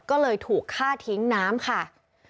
ก็เลยถูกฆ่าทิ้งน้ำค่ะ